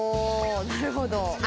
なるほど。